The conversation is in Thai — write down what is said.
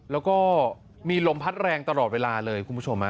แล้วก็มีลมพัดแรงตลอดเวลาเลยคุณผู้ชม